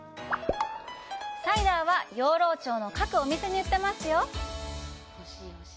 サイダーは、養老町の各お店に売っていますよ！